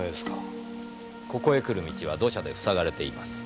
ここへ来る道は土砂で塞がれてます。